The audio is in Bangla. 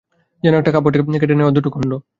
যেন একটা কাপড়ের থেকে কেটে নেওয়া দুটো খন্ড।